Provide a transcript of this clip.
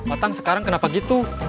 otang sekarang kenapa gitu